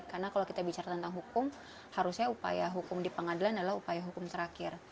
karena kalau kita bicara tentang hukum harusnya upaya hukum di pengadilan adalah upaya hukum terakhir